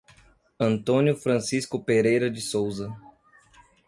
Antônio Francisco Pereira de Sousa